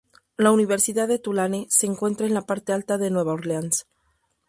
La Universidad de Tulane, se encuentra en la parte alta de Nueva Orleans.